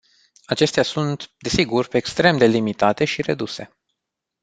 Acestea sunt, desigur, extrem de limitate și reduse.